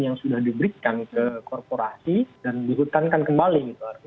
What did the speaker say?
yang sudah diberikan ke korporasi dan dihutankan kembali